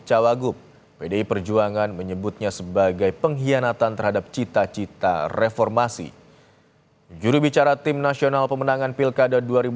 dalam gugatannya rida meminta ma memperluas tafsir syarat minimal usia peserta pilkada